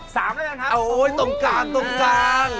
๓แล้วกันครับตรงกลาง